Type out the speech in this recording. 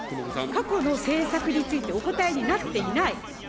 過去の政策についてお答えになっていない。